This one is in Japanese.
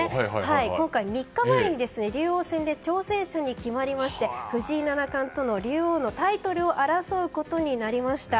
今回、３日前に竜王戦で挑戦者に決まりまして藤井七冠との竜王のタイトルを争うことになりました。